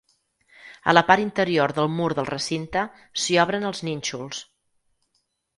A la part interior del mur del recinte s'hi obren els nínxols.